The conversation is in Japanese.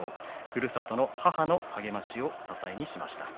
ふるさとの母の励ましを支えにしました。